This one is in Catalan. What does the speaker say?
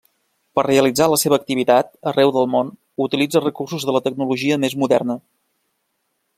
Per realitzar la seva activitat, arreu del món, utilitza recursos de la tecnologia més moderna.